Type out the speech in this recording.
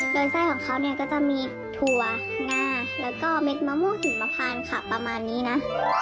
โดยไส้ของเขาเนี่ยก็จะมีถั่วงาแล้วก็เม็ดมะม่วงหิมพานค่ะประมาณนี้นะ